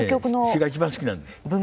詩が一番好きなんです。